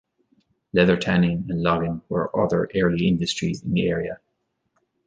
Leather tanning and logging were other early industries in the area.